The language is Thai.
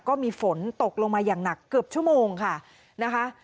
ก็มีฝนตกลงมาอย่างหนักเกือบชั่วโมงค่ะนะคะ